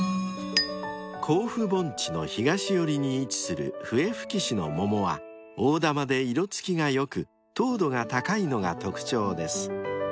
［甲府盆地の東寄りに位置する笛吹市の桃は大玉で色つきが良く糖度が高いのが特徴です］